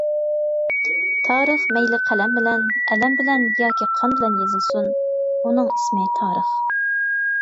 تارىخ مەيلى قەلەم بىلەن، ئەلەم بىلەن ياكى قان بىلەن يېزىلسۇن، ئۇنىڭ ئىسمى تارىخ.